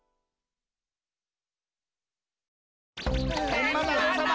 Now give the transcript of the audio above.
エンマ大王さま